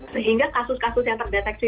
sehingga kasus kasus yang terdeteksi